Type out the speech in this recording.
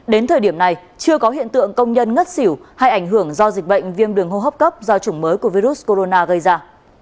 đến thời điểm này chưa có hiện tượng công nhân ngất xỉu hay ảnh hưởng do dịch bệnh viêm đường hô hấp cấp do chủng mới của virus corona gây ra